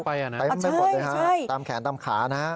ใต้มันไม่ปลอดภัยครับตามแขนตามขานะฮะ